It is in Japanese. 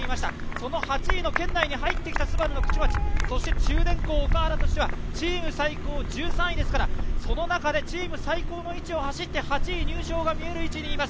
その８位の圏内に入ってきたＳＵＢＡＲＵの口町、中電工・岡原としてはチーム最高が１３位ですから、その中でチーム最高の位置を走って８位入賞が見える位置にいます。